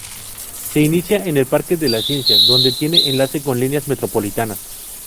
Se inicia en el Parque de las Ciencias, donde tiene enlace con líneas metropolitanas.